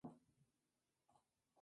No obstante, este aumento fue temporal.